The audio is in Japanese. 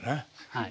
はい。